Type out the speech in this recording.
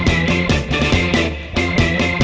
อุ้ว